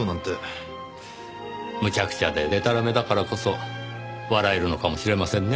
むちゃくちゃででたらめだからこそ笑えるのかもしれませんね